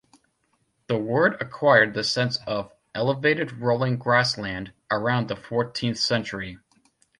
The word acquired the sense of 'elevated rolling grassland' around the fourteenth century.